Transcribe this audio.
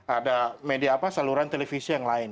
ada media apa saluran televisi yang lain